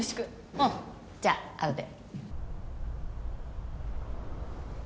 うんじゃあ後で。